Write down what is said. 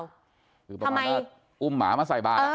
คือประมาณว่าอุ้มหมามาใส่บาท